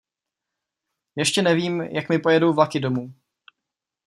Ještě nevím, jak mi pojedou vlaky domů.